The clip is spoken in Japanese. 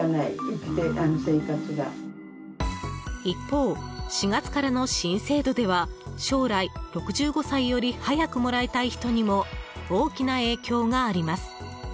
一方、４月からの新制度では将来、６５歳より早くもらいたい人にも大きな影響があります。